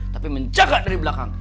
tapi menjaga dari belakang